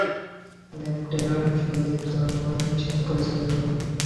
Lieutenant Sanjib জামওয়ালের সাথে পরিচিত হও।